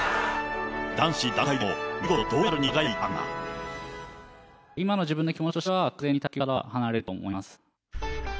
男子団体でも、今の自分の気持ちとしては、完全に卓球からは離れると思います。